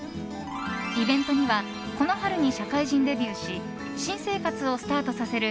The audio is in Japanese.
イベントにはこの春に社会人デビューし新生活をスタートさせる